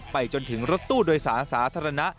ไปจนถึงรถตู้โดยสารสาธารณะ